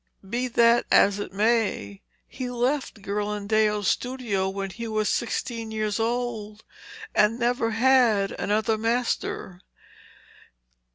Be that as it may, he left Ghirlandaio's studio when he was sixteen years old, and never had another master.